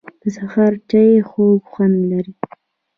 د سهار چای خوږ خوند لري